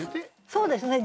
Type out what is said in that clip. そうですね。